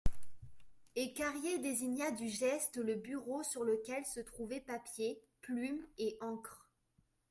Et Carrier désigna du geste le bureau sur lequel se trouvaient papier, plumes et encre.